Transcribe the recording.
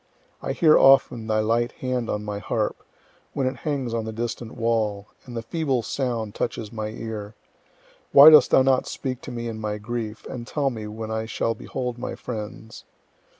I hear often thy light hand on my harp, when it hangs on the distant wall, and the feeble sound touches my ear. Why dost thou not speak to me in my grief, and tell me when I shall behold my friends?